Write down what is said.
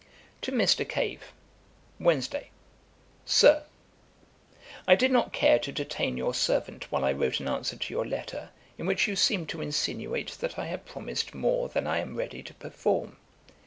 'To MR. CAVE. 'Wednesday. 'SIR, 'I did not care to detain your servant while I wrote an answer to your letter, in which you seem to insinuate that I had promised more than I am ready to perform.